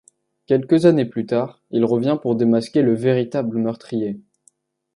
Quelques années plus tard, il revient pour démasquer le véritable meurtrier.